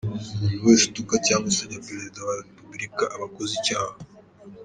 Umuntu wese utuka cyangwa usebya Perezida wa Repubulika, aba akoze icyaha.